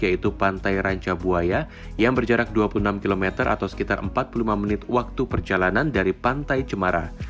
yaitu pantai ranca buaya yang berjarak dua puluh enam km atau sekitar empat puluh lima menit waktu perjalanan dari pantai cemara